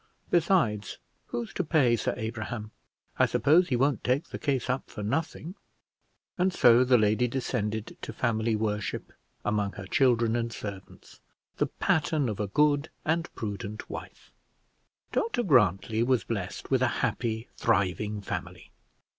besides, who's to pay Sir Abraham? I suppose he won't take the case up for nothing?" And so the lady descended to family worship among her children and servants, the pattern of a good and prudent wife. Dr Grantly was blessed with a happy, thriving family.